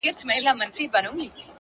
هره هڅه خپل دوامداره اثر لري،